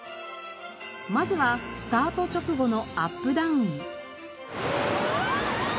まずはスタート直後のアップダウン。